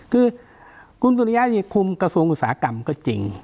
คือคุณสุริยะคุมกระทรวงอุตสาหกรรมก็จริง